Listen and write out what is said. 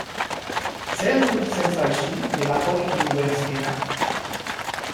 Zer iruditzen zaizu Belakok egin duen azkena?